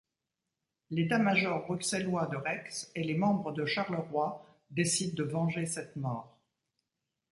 L'État-major bruxellois de Rex et les membres de Charleroi décident de venger cette mort.